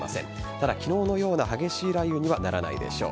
ただ、昨日のような激しい雷雨にはならないでしょう。